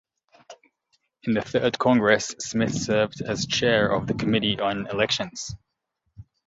In the Third Congress, Smith served as chair of the Committee on Elections.